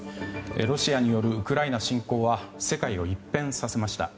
ロシアによるウクライナ侵攻は世界を一変させました。